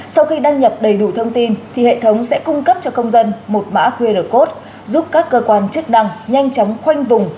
công dân sẽ cung cấp cho công dân một mã qr code giúp các cơ quan chức đăng nhanh chóng khoanh vùng